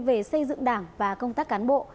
về xây dựng đảng và công tác cán bộ